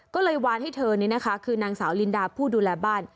ก็เลยวานให้เธอนี่นะคะคือนางสาวลินดาผู้ดูแลบ้าน